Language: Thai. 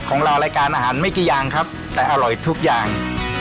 ของเรารายการอาหารไม่กี่อย่างครับแต่อร่อยทุกอย่าง